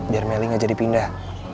biar meli enggak jadi pindah